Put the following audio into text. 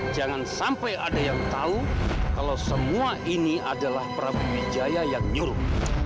jangan sampai ada yang tahu kalau semua ini adalah prabu wijaya yang nyuruh